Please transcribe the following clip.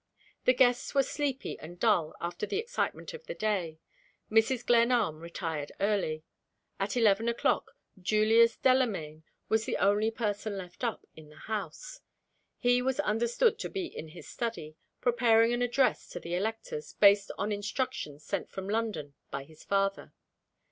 The guests were sleepy and dull after the excitement of the day. Mrs. Glenarm retired early. At eleven o'clock Julius Delamayn was the only person left up in the house. He was understood to be in his study, preparing an address to the electors, based on instructions sent from London by his father.